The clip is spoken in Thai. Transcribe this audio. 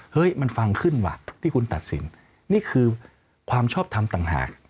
เฮ้ยมันฟังขึ้นว่ะที่คุณตัดสินนี่คือความชอบทำต่างหาก